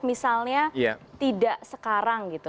misalnya tidak sekarang gitu